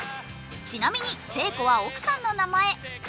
ちなみに、誠子は奥さんの名前。